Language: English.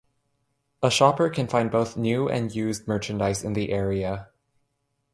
A shopper can find both new and used merchandise in the area.